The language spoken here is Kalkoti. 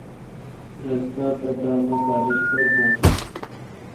رل دا پتا مہ کالج پر بھون